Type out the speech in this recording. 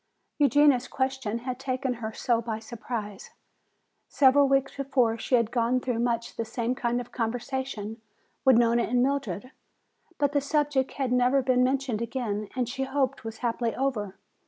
Eugenia's question had taken her so by surprise. Several weeks before she had gone through much the same kind of conversation with Nona and Mildred. But the subject had never been mentioned again and she hoped was happily over.